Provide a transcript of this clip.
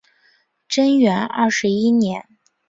贞元二十一年